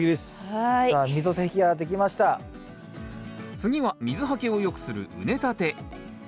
次は水はけをよくする畝たて。